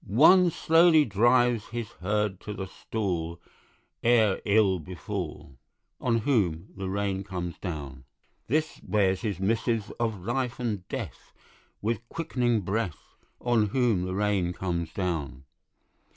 One slowly drives his herd to the stall Ere ill befall, On whom the rain comes down. This bears his missives of life and death With quickening breath, On whom the rain comes down.